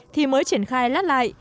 thì mới triển khai lát lại